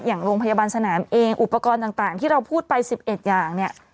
อย่างโรงพยาบาลสนามเองอุปกรณ์ต่างที่เราพูดไป๑๑อย่างเนี่ย